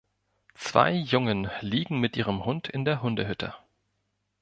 Zwei Jungen liegen mit ihrem Hund in der Hundehütte.